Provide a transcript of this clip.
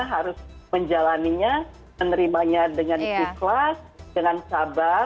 harus menjalannya menerimanya dengan ikhlas dengan sabar